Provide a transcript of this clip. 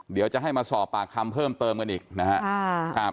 เดี๋ยวจะให้มาสอบปากคำเพิ่มเติมกันอีกนะครับ